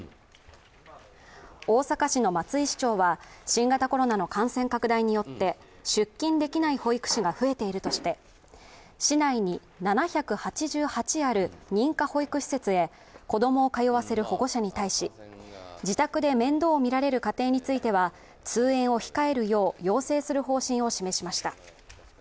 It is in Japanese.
大阪市の松井市長は新型コロナの感染拡大によって出勤できない保育士が増えているとして市内に７８８ある認可保育施設へ子供を通わせる保護者に対し、自宅で面倒を見られる家庭については通園を控えるよう要請する方針を示しました。